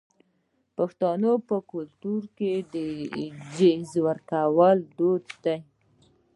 د پښتنو په کلتور کې د جهیز ورکول دود دی.